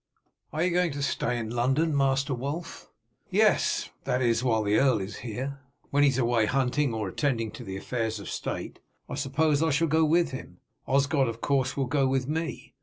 "Are you going to stay in London, Master Wulf?" "Yes; that is, while the earl is here. When he is away hunting or attending to the affairs of the state I suppose I shall go with him. Osgod of course will go with me.